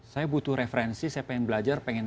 saya butuh referensi saya pengen belajar pengen